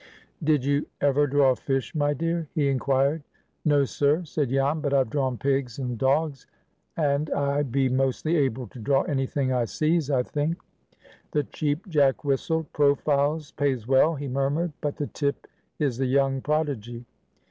"Did you ever draw fish, my dear?" he inquired. "No, sir," said Jan. "But I've drawn pigs and dogs, and I be mostly able to draw any thing I sees, I think." The Cheap Jack whistled. "Profiles pays well," he murmured; "but the tip is the Young Prodigy."